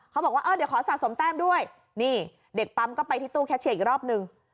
บอกว่าเออเดี๋ยวขอสะสมแต้มด้วยนี่เด็กปั๊มก็ไปที่ตู้แคชเชียร์อีกรอบนึง